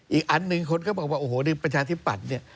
อีกอันหนึ่งคนก็บอกว่าโอ้โหในประชาธิปัตย์เนี่ย